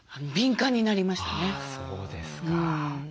そうですか。